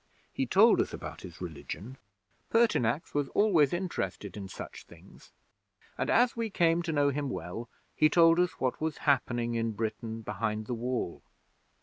He told us about his religion (Pertinax was always interested in such things), and as we came to know him well, he told us what was happening in Britain behind the Wall.